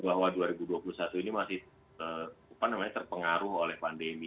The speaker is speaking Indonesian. bahwa dua ribu dua puluh satu ini masih terpengaruh oleh pandemi